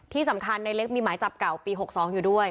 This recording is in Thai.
ที่สำคัญในเล็กมีหมายจับเก่าปี๖๒อยู่ด้วย